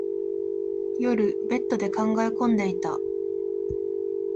夜、ベッドで考え込んでいた。